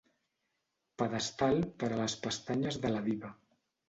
Pedestal per a les pestanyes de la diva.